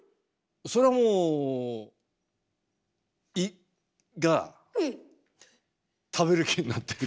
それはもう食べる気になってる。